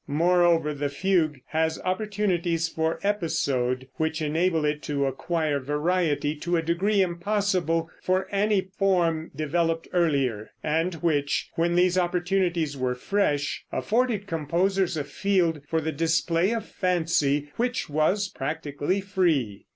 Moreover, the fugue has opportunities for episode, which enable it to acquire variety to a degree impossible for any form developed earlier; and which, when these opportunities were fresh, afforded composers a field for the display of fancy which was practically free.